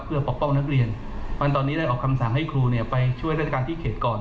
เพื่อปกป้องนักเรียนเพราะฉะนั้นตอนนี้ได้ออกคำสั่งให้ครูไปช่วยราชการที่เขตก่อน